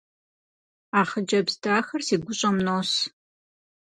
А хъыджэбз дахэр си гущӏэм нос.